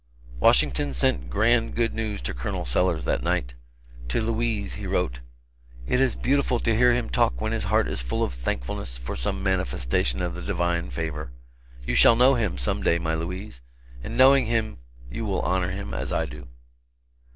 Washington sent grand good news to Col. Sellers that night. To Louise he wrote: "It is beautiful to hear him talk when his heart is full of thankfulness for some manifestation of the Divine favor. You shall know him, some day my Louise, and knowing him you will honor him, as I do."